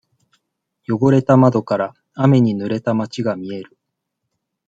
汚れた窓から、雨にぬれた街が見える。